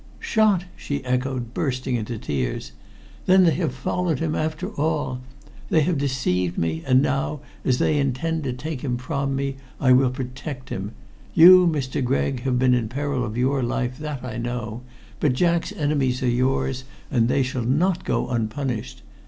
"Shot!" she echoed, bursting into tears. "Then they have followed him, after all! They have deceived me, and now, as they intend to take him from me, I will myself protect him. You, Mr. Gregg, have been in peril of your life, that I know, but Jack's enemies are yours, and they shall not go unpunished.